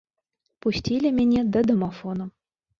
Пусцілі мяне да дамафону.